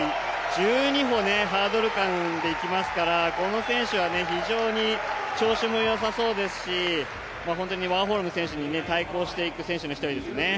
１２のハードル間でいきますからこの選手は非常に調子もよさそうですし本当にワーホルム選手に対抗していく選手の一人ですね。